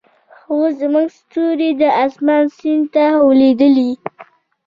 خو زموږ ستوري د اسمان سیند ته لویدلې